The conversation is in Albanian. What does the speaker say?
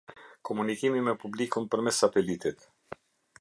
Komunikimi me publikun përmes satelitit.